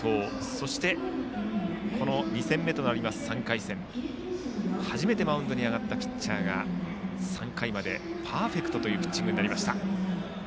そして、２戦目となる３回戦で初めてマウンドに上がったピッチャーが３回までパーフェクトというピッチングになりました。